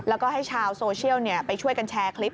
แล้วก็ให้ชาวโซเชียลไปช่วยกันแชร์คลิป